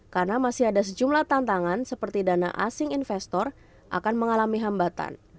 karena masih ada sejumlah tantangan seperti dana asing investor akan mengalami hambatan